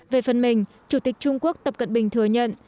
về phần mình chủ tịch trung quốc tập cận bình thừa nhận